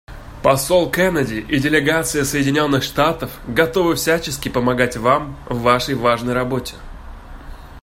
Посол Кеннеди и делегация Соединенных Штатов готовы всячески помогать Вам в Вашей важной работе.